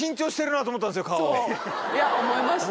そう思いました。